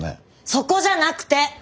そこじゃなくて！